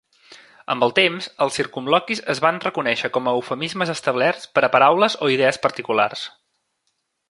Amb el temps, els circumloquis es van reconèixer com a eufemismes establerts per a paraules o idees particulars.